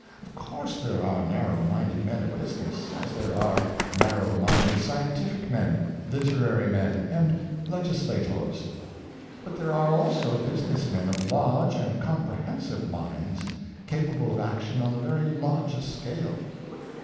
Of course there are nar row minded men of business, as ■ there are narrow minded scientific men, literary men, and legislators; but there are also business men of large and comprehensive minds, capable of action on the very largest scale.